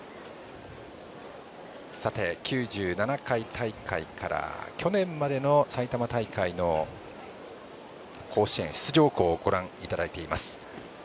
９７回大会から去年までの埼玉大会の甲子園出場校をご覧いただいています。